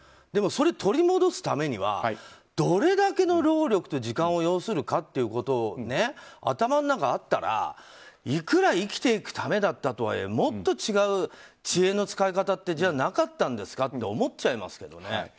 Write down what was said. でも、それを取り戻すためにはどれだけの労力と時間を要するかということを頭の中にあったら、いくら生きていくためだったとはいえもっと違う知恵の使い方ってじゃあなかったんですかって思っちゃいますけどね。